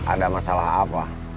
ada masalah apa